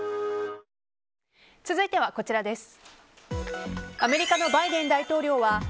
続いては、こちらです。